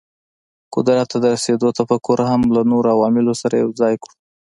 قدرت ته د رسېدو تفکر هم له نورو عواملو سره یو ځای کړو.